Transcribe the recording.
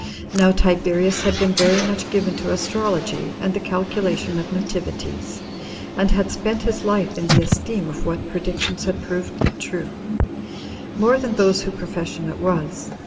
Now Tiberius had been very much given to astrology, 25 and the calculation of nativities, and had spent his life in the esteem of what predictions had proved true, more than those whose profession it was.